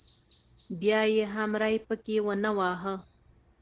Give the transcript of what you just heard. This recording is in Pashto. بیا یې هم ری پکې ونه واهه.